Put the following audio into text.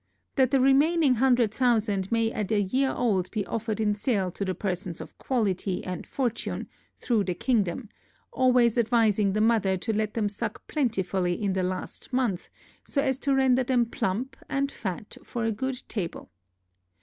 That the remaining hundred thousand may, at a year old, be offered in sale to the persons of quality and fortune, through the kingdom, always advising the mother to let them suck plentifully in the last month, so as to render them plump, and fat for a good table.